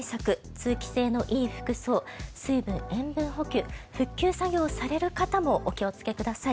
通気性のいい服装水分・塩分補給復旧作業をされる方もお気をつけください。